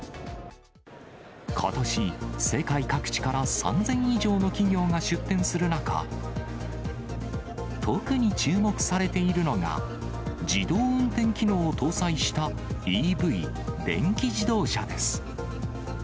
ことし世界各地から３０００以上の企業が出展する中、特に注目されているのが、自動運転機能を搭載したＥＶ・電気自動車です。